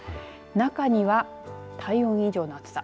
中には体温を以上の暑さ。